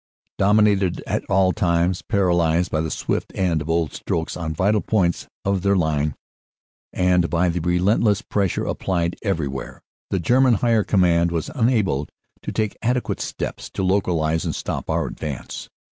"Dominated at all times, paralysed by the swift and bold strokes on vital points of their line and by the relentless press ure applied everywhere, the German Higher Command was unable to take adequate steps to localize and stop our advance.